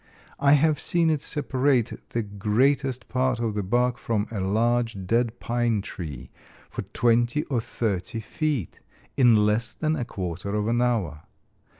I have seen it separate the greatest part of the bark from a large, dead pine tree, for twenty or thirty feet, in less than a quarter of an hour.